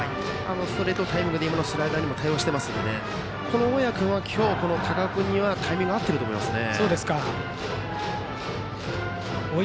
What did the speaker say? ストレートにもタイミング合って今のスライダーにも対応しているので大矢君は、今日は高尾君にはタイミングが合っていると思いますね。